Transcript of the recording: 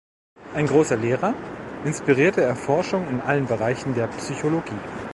Ein großer Lehrer, inspirierte er Forschung in allen Bereichen der Psychologie.